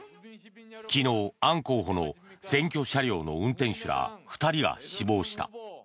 昨日、アン候補の選挙車両の運転手ら２人が死亡した。